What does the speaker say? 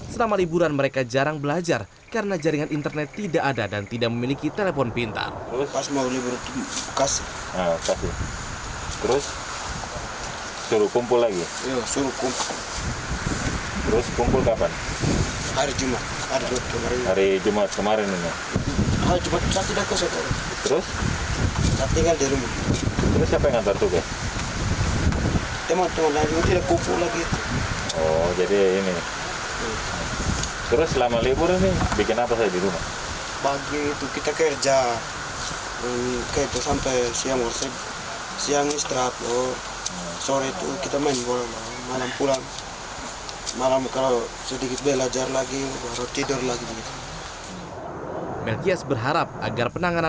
selama liburan mereka jarang belajar karena jaringan internet tidak ada dan tidak memiliki telepon pintar